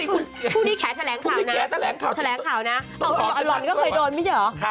คู่นี้แขแถลงข่าวแถลงข่าวนะเอาอลก็เคยโดนไม่ใช่เหรอ